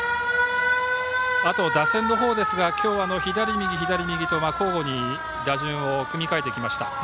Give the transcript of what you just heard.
あと、打線のほうですがきょうは左右左右と交互に打順を組み替えてきました。